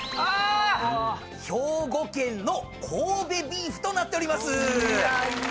兵庫県の神戸ビーフとなっております。